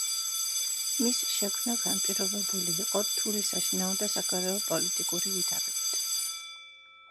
მისი შექმნა განპირობებული იყო რთული საშინაო და საგარეო პოლიტიკური ვითარებით.